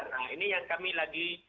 nah ini yang kami lagi